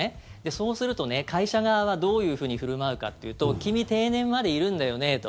そうすると、会社側はどういうふうに振る舞うかというと君、定年までいるんだよねと。